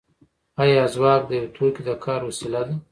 آیا ځواک د یو توکي د کار وسیله ده